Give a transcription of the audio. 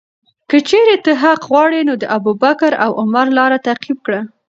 که چیرې ته حق غواړې، نو د ابوبکر او عمر لاره تعقیب کړه.